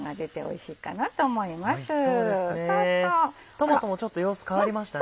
トマトもちょっと様子変わりましたね。